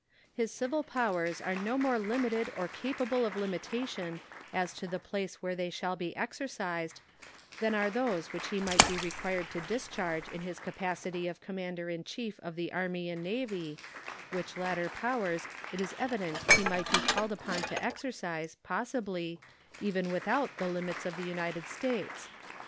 His civil powers are no more limited or capable of limitation as to the place where they shall be exercised than are those which he might be required to discharge in his capacity of Commander in Chief of the Army and Navy, which latter powers it is evident he might be called upon to exercise, possibly, even without the limits of the United States.